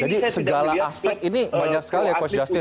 jadi segala aspek ini banyak sekali ya coach justin ya